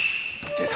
出た。